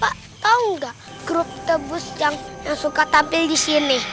pak tahu gak grup the bus yang suka tampil di sini